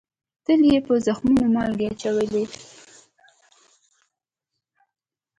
تل یې په زخمونو مالگې اچولې